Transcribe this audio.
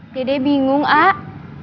dede bingung ah